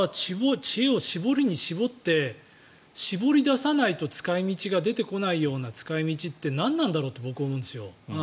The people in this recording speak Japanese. だって、税金の使い道を行政側は知恵を絞りに絞って絞り出さないと使い道が出てこないような使い道って何なんだろうって僕思うんですよ。